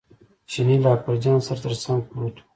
چیني له اکبرجان سره تر څنګ پروت و.